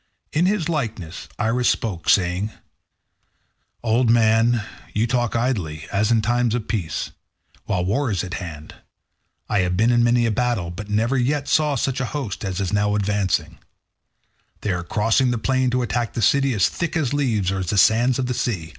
In his likeness Iris spoke, saying, "Old man, you talk idly, as in time of peace, while war is at hand. I have been in many a battle, but never yet saw such a host as is now advancing. They are crossing the plain to attack the city as thick as leaves or as the sands of the sea.